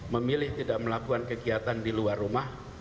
memilih tidak melakukan kegiatan di luar rumah